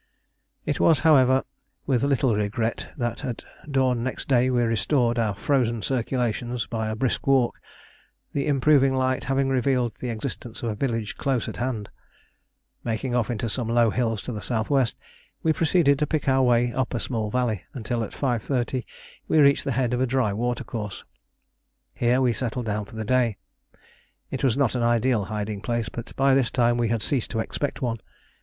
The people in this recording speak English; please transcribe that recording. It was, however, with little regret that at dawn next day we restored our frozen circulations by a brisk walk, the improving light having revealed the existence of a village close at hand. Making off into some low hills to the S.W., we proceeded to pick our way up a small valley, until at 5.30 we reached the head of a dry water course. Here we settled down for the day. It was not an ideal hiding place, but by this time we had ceased to expect one.